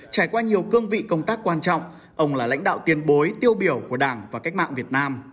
trải qua nhiều cương vị công tác quan trọng ông là lãnh đạo tiên bối tiêu biểu của đảng và cách mạng việt nam